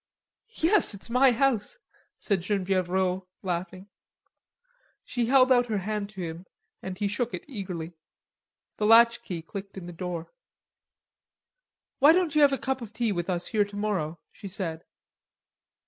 "Yes, it's my house," said Genevieve Rod laughing. She held out her hand to him and he shook it eagerly. The latchkey clicked in the door. "Why don't you have a cup of tea with us here tomorrow?" she said.